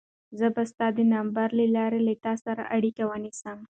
زه به ستا د نمبر له لارې له تا سره اړیکه ونیسم.